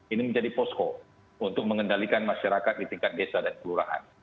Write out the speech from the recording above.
ini menjadi posko untuk mengendalikan masyarakat di tingkat desa dan kelurahan